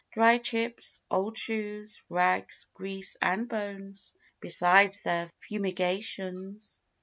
Dry chips, old shoes, rags, grease, and bones, Beside their fumigations.